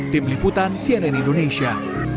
tim liputan cnn indonesia